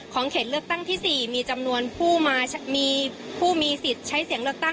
ก็ได้เดินทางมาใช้สิทธิ์เลือดตั้ง